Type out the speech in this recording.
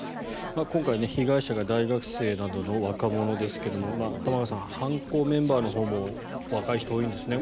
今回、被害者が大学生などの若者ですが玉川さん、犯行メンバーのほうも若い人が多いんですね。